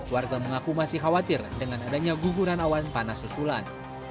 warga mengaku masih khawatir dengan adanya guguran awan panas susulan